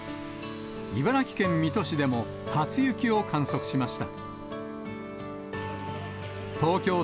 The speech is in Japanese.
茨城県水戸市でも、初雪を観測しました。